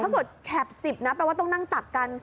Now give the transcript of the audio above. ถ้าเกิดแข็บ๑๐นะแปลว่าต้องนั่งตักกัน